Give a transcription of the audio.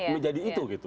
menjadi itu gitu